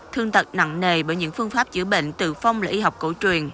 thương tật nặng nề bởi những phương pháp chữa bệnh từ phong lễ y học cổ truyền